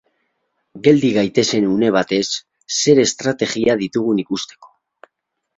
Geldi gaitezen une batez, zer estrategia ditugun ikusteko.